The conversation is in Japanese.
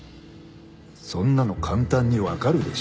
そんなの簡単に分かるでしょう。